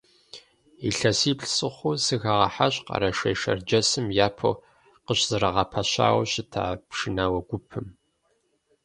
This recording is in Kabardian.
ИлъэсиплӀ сыхъуу сыхагъэхьащ Къэрэшей-Шэрджэсым япэу къыщызэрагъэпэщауэ щыта пшынауэ гупым.